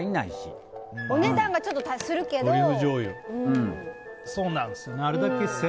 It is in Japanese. お値段がちょっとするけど。